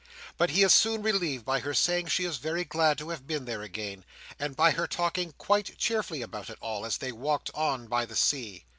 But he is soon relieved by her saying she is very glad to have been there again, and by her talking quite cheerfully about it all, as they walked on by the sea.